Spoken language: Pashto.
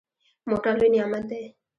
موټر لوی نعمت دی.